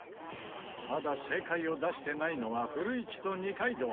まだ正解を出してないのは古市と二階堂。